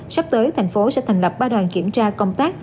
sắp tới thành phố sẽ thành lập ba đoàn kiểm tra công tác